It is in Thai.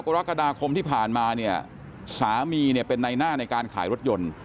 กรกฎาคมที่ผ่านมาเนี่ยสามีเนี่ยเป็นในหน้าในการขายรถยนต์